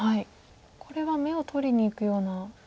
これは眼を取りにいくような手ですか？